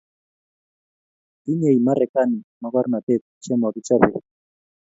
tinyei Marekani mokornotet chemo kichobei